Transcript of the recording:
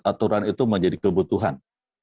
aturan itu menjadi kebutuhan